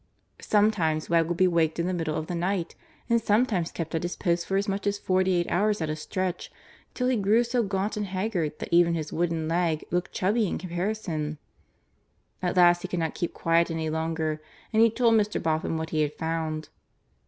Sometimes Wegg would be waked in the middle of the night, and sometimes kept at his post for as much as forty eight hours at a stretch, till he grew so gaunt and haggard that even his wooden leg looked chubby in comparison. At last he could not keep quiet any longer and he told Mr. Boffin what he had found.